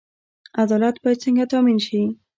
عدالت باید څنګه تامین شي؟